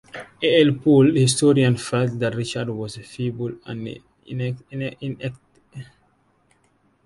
A. L. Poole, the historian, felt that Richard was a feeble and ineffective person.